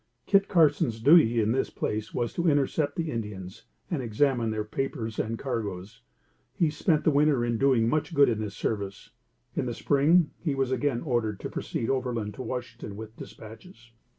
Kit Carson's duty in this place was to intercept the Indians and examine their papers and cargoes. He spent the winter in doing much good in this service. In the spring, he was again ordered to proceed overland to Washington, with dispatches.